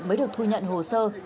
mới được thu nhận hồ sơ